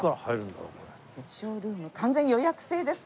「ショールーム」完全予約制です